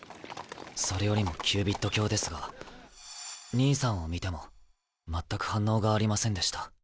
それよりもキュービッド卿ですが兄さんを見ても全く反応がありませんでした。